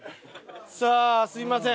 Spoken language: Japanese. さあすみません。